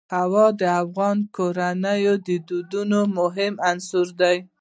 هوا د افغان کورنیو د دودونو مهم عنصر دی.